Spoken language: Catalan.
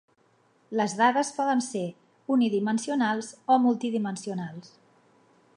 Les dades poden ser unidimensionals o multidimensionals.